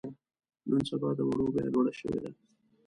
نن سبا د وړو بيه لوړه شوې ده.